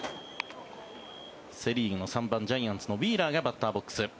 セ・リーグの３番ジャイアンツのウィーラーがバッターボックス。